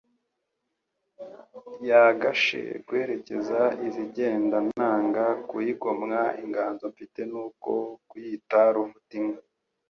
Yagashe guherekeza izigendaNanga kuyigomwa inganzo mfiteNi ko kuyita Ruvutinka.